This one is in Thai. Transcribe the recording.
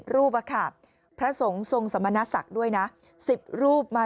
รูปอะค่ะพระสงฆ์ทรงสมณศักดิ์ด้วยนะ๑๐รูปมา